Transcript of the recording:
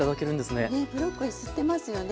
ねっブロッコリー吸ってますよね